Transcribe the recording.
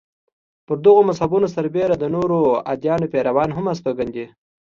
پر دغو مذهبونو سربېره د نورو ادیانو پیروان هم استوګن دي.